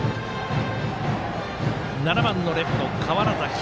７番のレフト、川原崎。